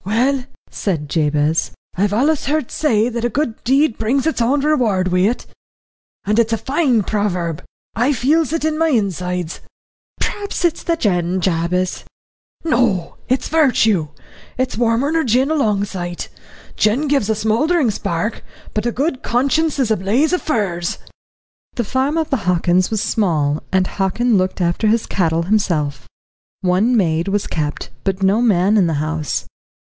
"Well," said Jabez, "I've allus heard say that a good deed brings its own reward wi' it and it's a fine proverb. I feels it in my insides." "P'raps it's the gin, Jabez." "No it's virtue. It's warmer nor gin a long sight. Gin gives a smouldering spark, but a good conscience is a blaze of furze." The farm of the Hockins was small, and Hockin looked after his cattle himself. One maid was kept, but no man in the house.